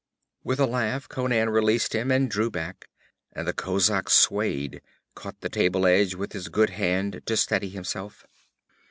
With a laugh Conan released him and drew back, and the kozak swayed, caught the table edge with his good hand to steady himself.